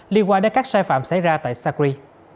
liên quan đến các sai phạm xảy ra tại sacri